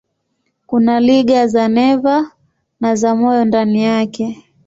Kuna liga za neva na za moyo ndani yake.